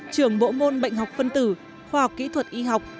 trưởng bộ môn bệnh học phân tử khoa học kỹ thuật y học